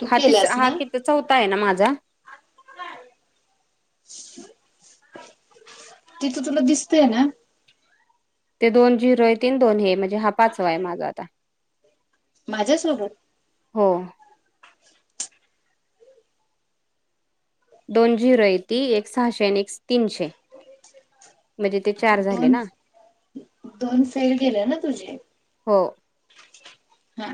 तू हा तिसरा केलास हा ना किती चौथा आहे ना माझा तिथं तुला दिसतंय ना? ते दोन झिरो आहे तीन दोन हे म्हणजे हा पाचवा आहे माझा आता माझ्यासोबत हो दोन जी रयती एक सहाशे आणि एक तीनशे म्हणजे ते चार झाले दोन ना दोन फेल गेले ना तुझे? हो हा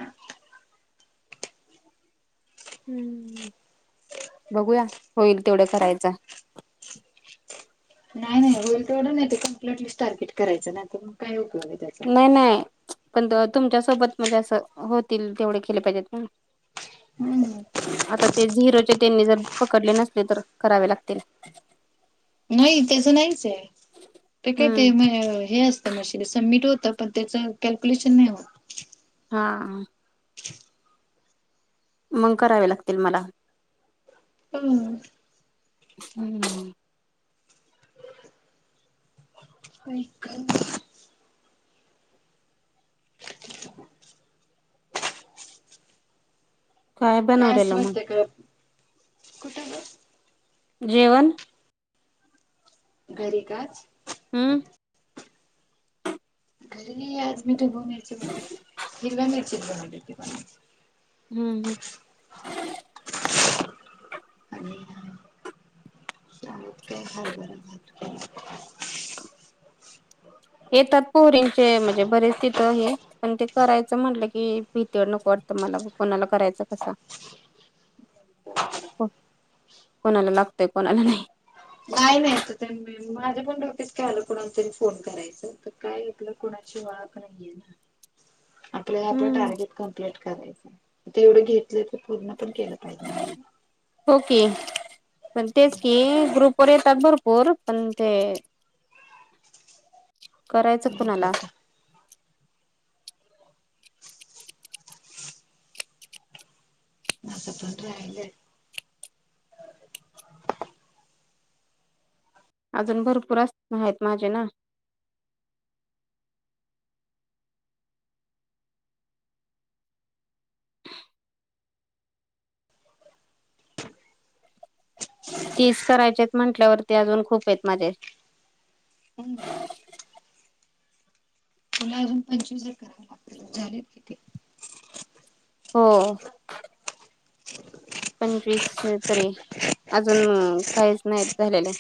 हम्म बघूया होईल तेवढं करायचं नाही नाही होईल तेवढं नाही कम्टली टार्गेट करायचं नाही तर मग काय उपयोग आहे त्या नाही नाही पण तुमच्या सोबत म्हणजे असं होतील तेवढे केले पाहिजेत. हम्म आता ते झिरोचे त्यांनी जर पकडले नसले तर करावे लागतील. नाही त्यास नाहीच आहे ते काय ते हम्म म हे असं म सबमिट होतं पण त्याचं कॅल्क्युलेशन नाही होत. हा मग करावे लागतील मला हम्म हम्म काक काय बनवलेलं मग असवस्थ का कुठलं? जेवण? घरी का आज हम्म घरी आज मी ठबुन मिरची बनते हिरव्या मिरचीच बनवलीेते पण. हम्म हम्म आणि काय हरभरा येतात पोहरींचे म्हणजे बरेच तिथं हे पण ते करायचं म्हटलं कि, भितोय नको वाटतं मला कोणाला करायचं का साग. हो, कोणाला लागतय कोणाला नाही. नाही नाही येत [unintelligible] माझं पण डोक्यात काय आलं, कुणाला तरी फोन करायच तर काय आपलं कुणाशी वाद नाय आपल्या आपलं हम्म टार्गेट कंप्लीट करायच ते एवढे घेतले ते पूर्ण पण केलं पाहिजे मला. ओके पण तेच की ग्रुपवर येतात भरपूर पण ते करायचं बघू कुणाला? आता आ असं पणयले. [unintelligible] अजून भरपूर असत आहेत माझे ना. तीच करायचीत म्हंटल्यावरती, अजून खूप आहेत माझे. हो. [unintelligible] तुला अजून पंचवीस हजार करा लागत झालेत किती. [unintelligible] हो. पंचवीस तरी, अजून काहीच नाहीत झालेलं.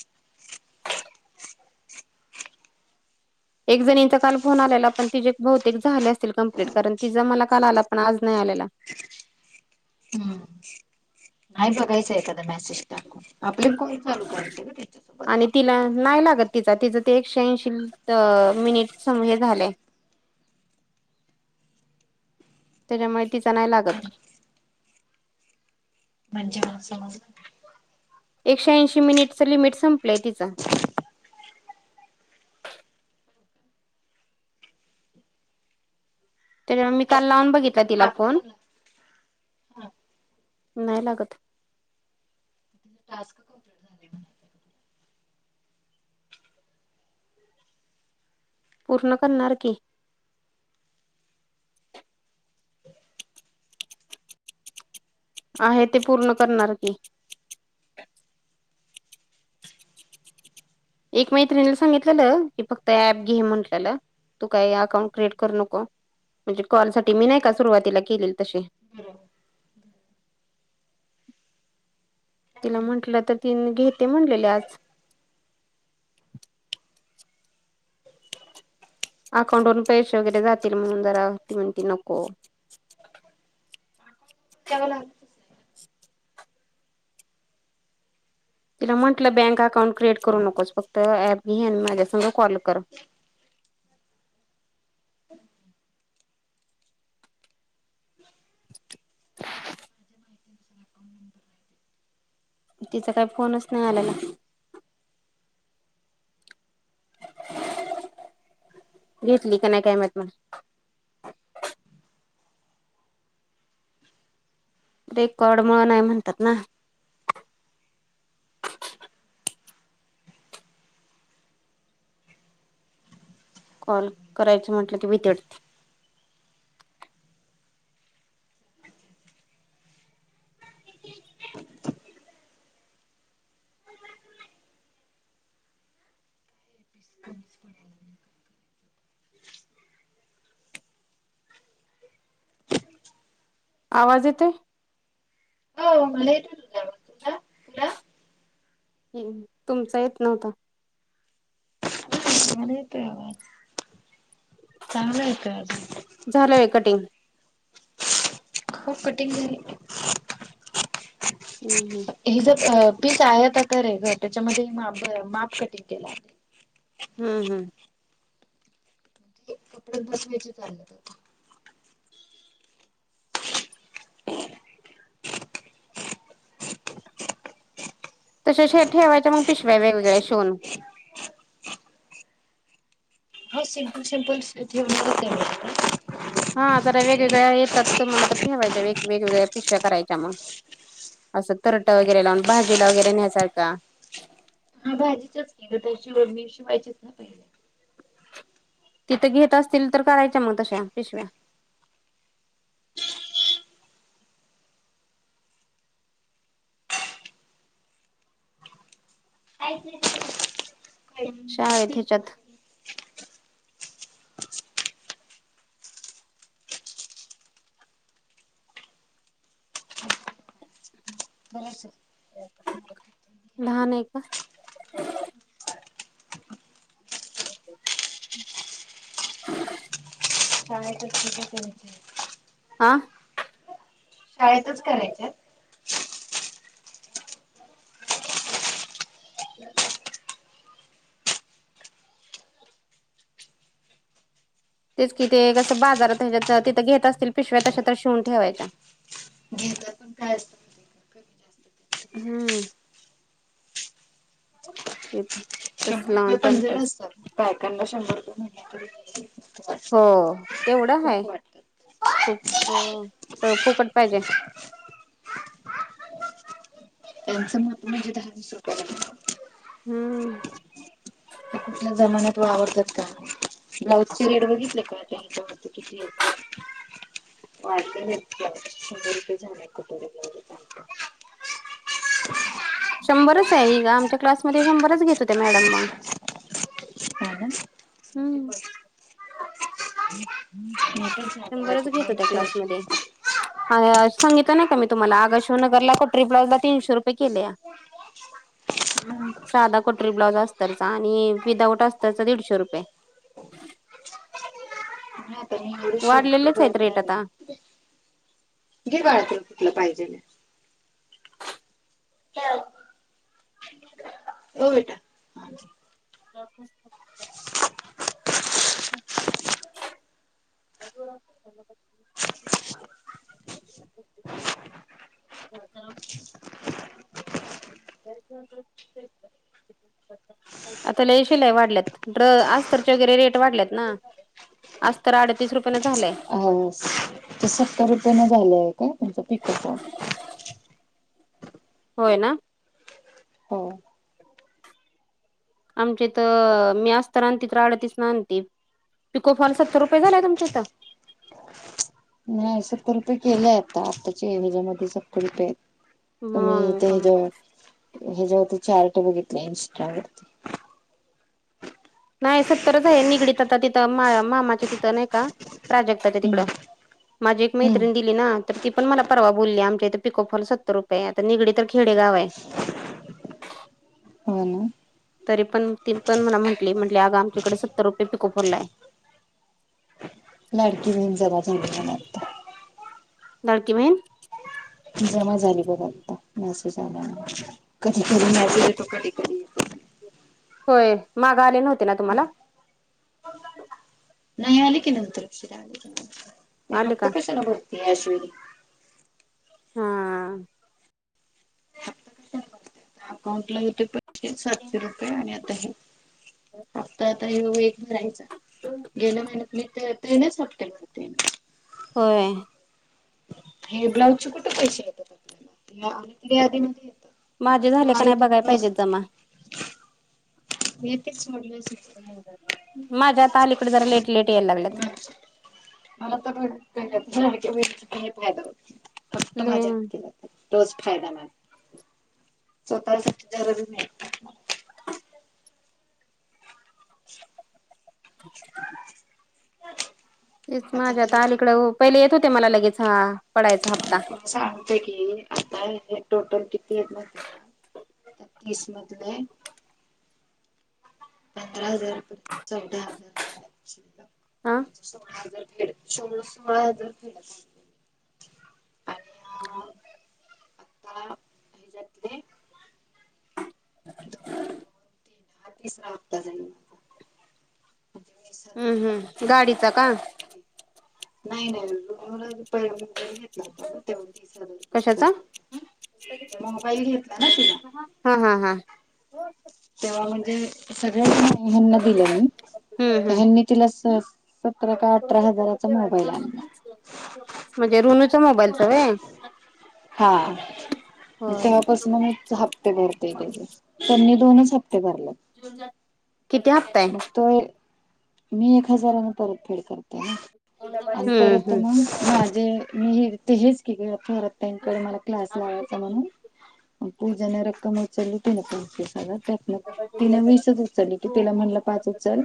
एक जणीचा काल फोन आलेला, पण तिचेे बहुतेक झाले असतील कं्प्लीट कारण तिचां मला काल आला पण आज नाही आलेला. हम. [unintelligible] नाही बघायचं एखादा मेसेज टाकून, आपले फॉल चालू करायचे का त्याच्यासोबत. आणि तिला नाही लागत तिचा, तिचं ते एकशे ऐंशी मिनिट हे झालंय. त्याच्यामुळे तिचां नाही मग लागत. म्हणजे मा समज एकशे ऐंशी मिनिटचं लिमिट संपलंय तिचां त्याच्यामुळे, मी काल जास्त लावून संपलं बघितला मग तिला आपले फोन पण नाही लागत. त टास्क कंप्लीट झा [unintelligible] पूर्ण करणार की. आहे ते पूर्ण करणार की. एक मैत्रिला सांगितलेलं की, फक्त ऍप घे म्हंटल्याला तू काही अकाउंट क्रिएट करू नको, म्हणजे कॉल साठी मी नाही का सुरुवातीला केलेल तसे बरोबर. तिला म्हंटलं तर, ति घेते म्हणलेली आज अकाउंट वरून पैसे वगैरे जातील, म्हणून जरा ती म्हणती नको. कवण. [unintelligible] तिला म्हटलं बँक अकाउंट क्रिएट करू नकोस, फक्त ऍप घे आणि माझ्या संग कॉल कर. [inaudible] [inaudible] तिचा काही फोनच नाही आल्याला घेतली का नाही काय माहीत मग रेकॉर्ड मुळ नाही म्हणतात ना. कॉल करायचं म्हटलं की भीती वाटते. [inaudible] आवाज येतोय. हो मला येतोय. ह, तुमच येत नव्हता. मला येतोय आवाज, चांगला येतोय आजून. झालंय कटिंग. हो कटिंग झाली. हम्, हि ज पीस आहे आता तरे घर त्याच्यामध्ये माप माप कटिंग केलं आहे [unintelligible] हम्म, हम्म कपड बच वज चालत तसे श ठेवायं मग पिशवाय वेगळे शिवून. हो सिमपल सिमपल ठेवणार. हा जरा वेगवेगळ्या येतात तरु मला तर ठेवायच्या वेग वेगवेगळ्या पिशव्या करायच्या मग. असं तरोटा वगैरे लावून भाजूला वगैरे न्यासारखा. हा भाजीचच नाही ग त्या वणी शिवायचीच ना पहिले [unintelligible] तिथं घेत असतील तर, करायच्या मग तशा पिशव्या. ऐच नाही [unintelligible] शाळेत ह्याच्यात. शाळेतच लहान आहे का? काय त ठीक आहे कच आं शाळेतच करायच्या तेच किथ कसं बाजारातत तिथं घेत असतील पिशव्या तशात तर शिवून ठेवायच्या घेतात पण काय असतं माहिती आहे का कमी जास्त ते हम्म ते तस लावून पं तंटच असतकां शंभर रुपये वाटतं हो तेवढं आहे खूप वाटतात खूप हो फुकट पाहिजे त्यांचं मत म्हणजे दहावीसप हम्म त्या कुठल्या जमान्यात वावरतात का ब्लाउज ची रेट बघितली काय त्या हच्यावरती किती ंदरप झा कुठ शंभरच आहे ग आमच्या क्लासमध्येध्ये शंभरच घेत होत्या मॅडम मग होा ना हम्म मोठेच झाले आहेत शंभरच घेत हो त्या ब्लाऊजचे क्लासमध्येध्ये ह सांगितलं नाही का मी तुम्हाला आगाशिवनगरला कटरी ब्लाउज ला तीनशे रुपये केले नाही साधा कोठरी ब्लाउज असतरचा आणि विदाऊट असतचा दीडशे रुपये ह तरी त वाढलेलेच आहेत रेट आता. नाहीे काळत तुलं पाहिजे होटा हांज हम् हॅलो तेच्या आता ल शिलाई वाढल्यात आ्तरचे वगैरे रेट वाढल्यात ना आज तर अडतीस रुपयाें झालंय अ ते सत्तर रुपये न झालंय का तुमचं पिकअप होय ना हो आमच्या तर मी आस्त आणते तर आडतीस ना आणते पिकोफल सत्र रुपय झा आहे तमच्या इथं नाही सत्तर रुपये केलेय आता आत्ताच्या एमजामध्येध्ये सत्तर रुपये आहेत तुम्ही ते ह मग जे ह जेवरती चार्ट बघितले इंस्टा वरती. नाही सत्तरच आहे निगडीत आता तिथं मा मामाच्या तिथं नाही का प्राजक्ताच्या तिकडं. हम्म माझी एक मैत्रिणी दिली ना तर ती पण मला परवा बोलली आमच्या इथं पिकोफल सतरु आता निगडी तर खेडे गाव आहे. हो ना. तरी पण ती पण मला म्हटली म्हटली आग आमच्याकडे सत्तर रुपये पिको फरलाय लडकी बेन जलाता डकीमन जमा झाली बघ आता मॅसेज आल्याने कधी कधी मॅसेज येतो कधी कधी येतो होय मागा आले नव्हते ना तुम्हाला आली की नंतर शिरा आली की न आले हफ्ता का कशाला भरती या हा. अकाउंट ला होते पैसे सातशे रुपये आणि आता हे आता आता हे एक रायच गेल्या महिन्यात मी ते तीनच हप्ते भरते मी. होय. हे ब्लाऊजचे कुठे पैसे येतात आपल्याला अ त यादीमध्ये. माझे झाले का नाही बघाय पाहिजेत जमा. येतेच सडल्या माझ्या त अलीकड जरा लेट लेट यायला लागल्यात. मला तरण्यात वे फायदा होत. फक्त ले माझ्या हाकेला रोज फायदा म स्वतः जरुरी नाही. [unintelligible] तेच माझ्या आता अलीकडं पहिले येत होते मला लगेच हा पडायचा हप्ता. सांगतेय की आता हे टोटल किती आहेत माहिती आहे का? त्याहतीस मधले पंधरा हजारपर्यंत चौदा हजार आहे म्हणजे सोळा हजार भेड एवढे सोळा हजार फेडले आणि हा. आता हेच्याातले [inaudible] हा तिसरा हप्ता जाईल. [inaudible] हम्म हम्म तीन गाडीचा हप्ते का? म्हणजे नाही नाहीला प मुंबई घेत कशाचा? मोबाईल घेतला ना तिला [inaudible] हा हा हा. तेव्हा म्हणजे सगळ्यांंसानी निम निम दिलं मी. हम्म हम्म नी तिला स सतरा का अठरा हजाराचा मोबाईल आणला. म्हणजे रुनूचा मोबाईलच होय? हा होय तेव्हापास मगच हप्ते भरते त्याचे. त्यांनी दोनच हप्ते भरल्यात. जून झालं. किती हप्ता आहे? मग तोय मी एक हजारने परतफेड करते ना. आणि हम्म परत हम्म मग हम्म घ म्हे मी ते हेच क पररकडे मला क्लास लावायचा म्हणून. पूजाने रक्कम उचलली तिने पंचवीस हजार त्यात तिन वीसच उचलली की तिला म्ह पाच उचल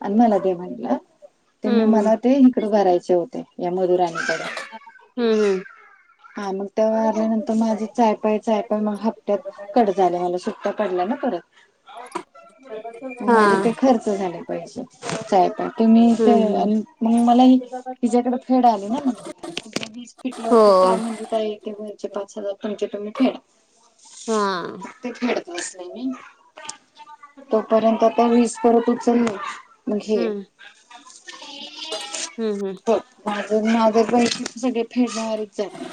आणि मला दे म्हटलं. ते मी हम्म मला ते इकड भरायचे होते या मधुराणीकड. हम्म हम्म. हा मग तेवर आारल्यानंतर माझे यपाय चायपाय मग हप्त्यात. कड झाले मला सुट्ट्या पडल्या ना परत हच माझे ते खर्च झाले पैसे. तुम्ही इथ हम्म हम्म. मग मलाही तिच्याकडे फेड आले ना मग. फेटलं हो होती काय म्हणजे का येते वरचे पाच हजार तुमचे तुम्ही फेडा. हा. हम्म ते फेडत बसले मी. तोपर्यंत आता वीस परत उचलले मग घे. हम् हम्. माझ माझर बै सगळे फेडण्यावारीक जाते